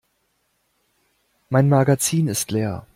Mein Magazin ist leer.